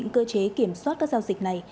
cơ chế kiểm soát các giao dịch này